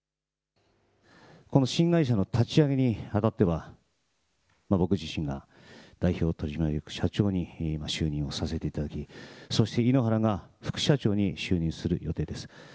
この新会社の立ち上げにあたっては、僕自身が代表取締役社長に就任をさせていただき、そして井ノ原が副社長に就任する予定です。